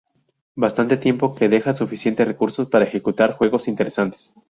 Bastante tiempo que deja suficientes recursos para ejecutar juegos interesantes.